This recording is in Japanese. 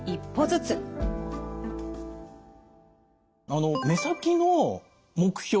あの「目先の目標」って。